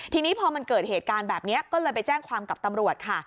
ทีนี้พอมันเกิดเหตุการณ์แบบนี้ก็เลยไปแจ้งความกับตำรวจค่ะ